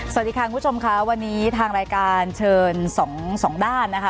สวัสดีค่ะคุณผู้ชมค่ะวันนี้ทางรายการเชิญสองด้านนะคะ